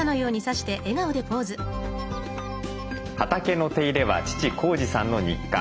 畑の手入れは父・紘二さんの日課。